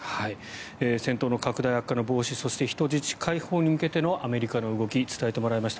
戦闘の拡大悪化の防止そして人質解放に向けてのアメリカの動き伝えてもらいました。